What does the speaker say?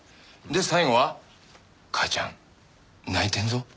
で最後は「母ちゃん泣いてるぞ」